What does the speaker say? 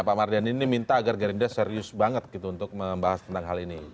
pak mardhani ini minta agar gerindra serius banget gitu untuk membahas tentang hal ini